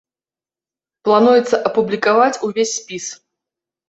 Плануецца апублікаваць увесь спіс.